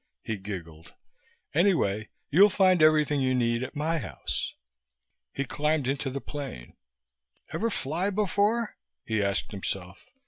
He giggled. "Anyway, you'll find everything you need at my house." He climbed into the plane. "Ever fly before?" he asked himself.